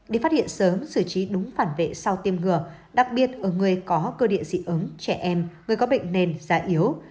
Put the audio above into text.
để phát hiện sớm xử trí đúng phản vệ sau tiêm ngừa đặc biệt ở người có cơ địa dị ứng trẻ em người có bệnh nền da yếu